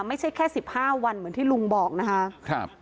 ไม่ใช่แค่๑๕วันเหมือนที่ลุงบอกนะคะ